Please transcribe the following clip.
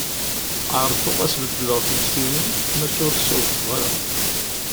Ɛerḍeɣ ad s-beddleɣ tiktiwin, maca ur ssawḍeɣ ara.